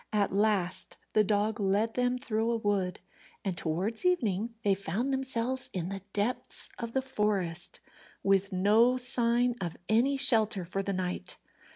At last the dog led them through a wood, and towards evening they found themselves in the depths of the forest, with no sign of any shelter for the night.